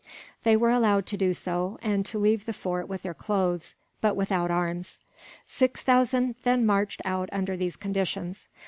They were allowed to do so, and to leave the fort with their clothes, but without arms. Six thousand then marched out under these conditions.